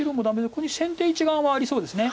ここに先手一眼はありそうです。